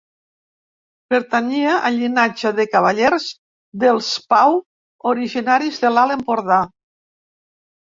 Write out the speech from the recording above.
Pertanyia al llinatge de cavallers dels Pau, originaris de l'Alt Empordà.